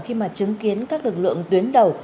khi mà chứng kiến các lực lượng tuyến đầu